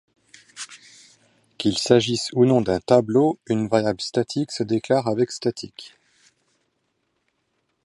Qu'il s'agisse ou non d'un tableau, une variable statique se déclare avec static.